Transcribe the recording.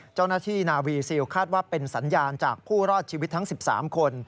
เจ้าหน้าที่นาวีซิลคาดว่าเป็นสัญญาณจากผู้รอดชีวิตทั้ง๑๓คน